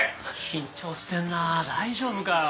緊張してんな大丈夫かよ？